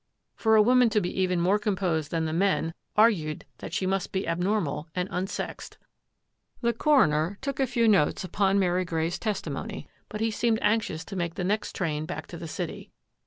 For a woman to be even more composed than the men argued that she must be abnormal and unsexed. The coroner took a few notes upon Mary Grey's testimony, but he seemed anxious to make the next train back to the city.